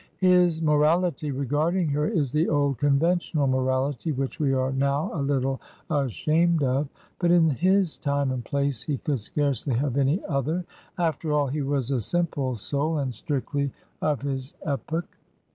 His morality regarding her is the old conventional morality which we are now a little ashamed of, but in his time and place he could scarcely have any other; after all, he was a simple soul, and strictly 194 Digitized by VjOOQIC THACKERAY'S BAD HEROINES of his epoch.